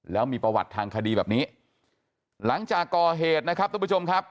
แล้วมีประวัติทางคดีแบบนี้หลังจากก่อเหตุนะครับทุกผู้ชมครับ